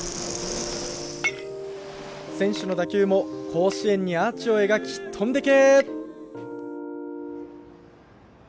選手の打球も甲子園にアーチを描き飛んでいけ。